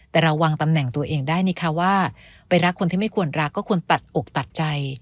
แต่เราวางตำแหน่งตัวเองได้นี่ค่ะว่าไปรักคนที่ไม่ควรรักก็ควรตัดอกตัดใจ